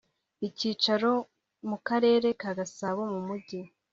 icyicaro mu karere ka gasabo mu mujyi